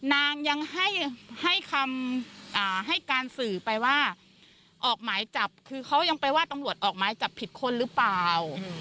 นางยังให้คำให้การสื่อไปว่าออกหมายจับคือเขายังไปว่าตำรวจออกหมายจับผิดคนหรือเปล่า